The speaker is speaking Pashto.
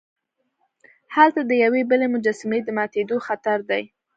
هلته د یوې بلې مجسمې د ماتیدو خطر دی.